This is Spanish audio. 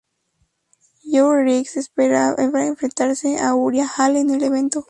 Joe Riggs esperaba enfrentarse a Uriah Hall en el evento.